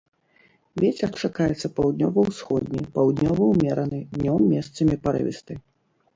Вецер чакаецца паўднёва-ўсходні, паўднёвы ўмераны, днём месцамі парывісты.